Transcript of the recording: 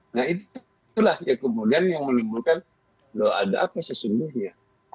nah itulah yang kemudian menimbulkan loh ada apa sesungguhnya